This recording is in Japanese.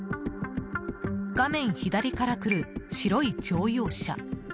画面左から来る白い乗用車。